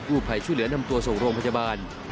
ภัยช่วยเหลือนำตัวส่งโรงพยาบาล